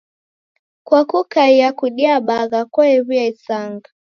Kwa kukaia kudia bagha kwaew'ia isanga.